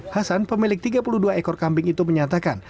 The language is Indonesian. hasan pemilik tiga puluh dua ekor kambing itu menyatakan